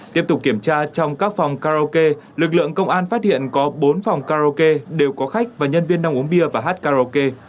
tiếp tục kiểm tra trong các phòng karaoke lực lượng công an phát hiện có bốn phòng karaoke đều có khách và nhân viên đang uống bia và hát karaoke